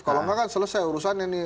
kalau enggak kan selesai urusan ini